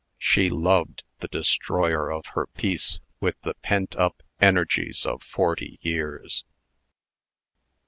She loved the destroyer of her peace with the pent up energies of forty years.